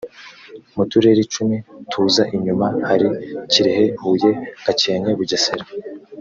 mu turere icumi tuza inyuma hari kirehe huye gakenke bugesera